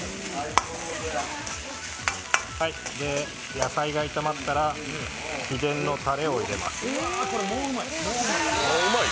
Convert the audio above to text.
野菜が炒まったら秘伝のたれを入れます。